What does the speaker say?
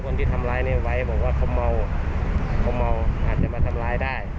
คนที่ทำร้ายนี้ไว้บอกว่าเขาเมาเขาเมาอาจจะมาทำร้ายได้